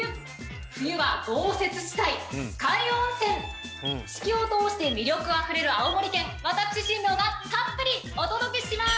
冬は豪雪地帯酸ヶ湯温泉四季をとおして魅力あふれる青森県私新名がたっぷりお届けします！